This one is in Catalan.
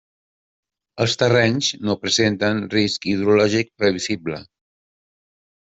Els terrenys no presenten risc hidrològic previsible.